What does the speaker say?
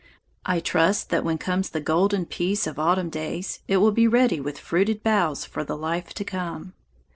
I trust that when comes the golden peace of autumn days, it will be ready with fruited boughs for the life to come.